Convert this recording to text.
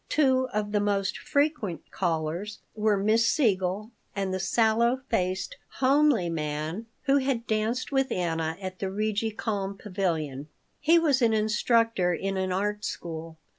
Two of the most frequent callers were Miss Siegel and the sallow faced, homely man who had danced with Anna at the Rigi Kulm pavilion. He was an instructor in an art school.